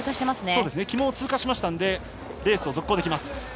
旗門を通過しましたのでレースを続行できます。